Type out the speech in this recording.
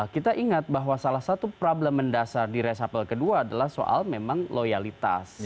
kita ingat bahwa salah satu problem mendasar di resapel kedua adalah soal memang loyalitas